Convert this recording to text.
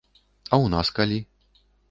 А ў нас калі?